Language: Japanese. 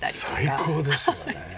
最高ですよね。